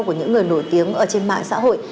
của những người nổi tiếng ở trên mạng xã hội